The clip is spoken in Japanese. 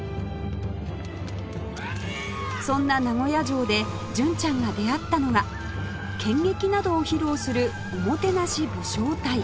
そんな名古屋城で純ちゃんが出会ったのが剣劇などを披露するおもてなし武将隊